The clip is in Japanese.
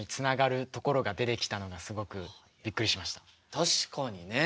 確かにね。